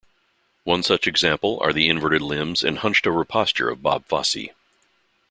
One such example are the inverted limbs and hunched-over posture of Bob Fosse.